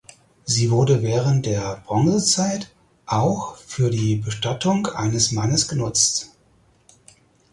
Sie wurde während der Bronzezeit auch für die Bestattung eines Mannes genutzt.